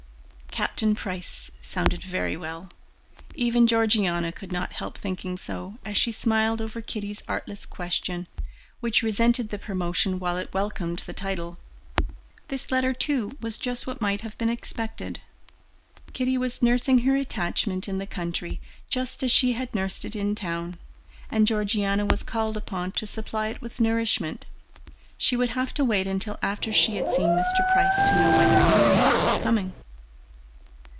Captain Price sounded very well; even Georgiana could not help thinking so, as she smiled over Kitty's artless question, which resented the promotion while it welcomed the title. This letter, too, was just what might have been expected; Kitty was nursing her attachment in the country just as she had nursed it in town, and Georgiana was called upon to supply it with nourishment. She would have to wait until after she had seen Mr. Price to know whether any was forthcoming.